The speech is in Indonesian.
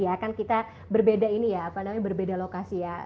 ya kan kita berbeda ini ya berbeda lokasi ya